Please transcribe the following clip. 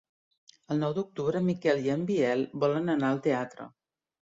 El nou d'octubre en Miquel i en Biel volen anar al teatre.